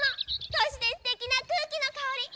そしてすてきなくうきのかおり。